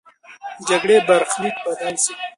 د جګړې برخلیک بدل سو.